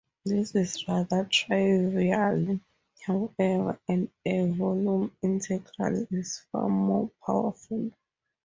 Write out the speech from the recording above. This is rather trivial however, and a volume integral is far more powerful.